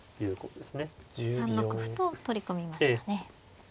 ３六歩と取り込みましたね。